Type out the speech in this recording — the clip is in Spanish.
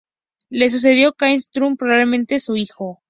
Le sucedió Kadashman-Turgu, probablemente su hijo.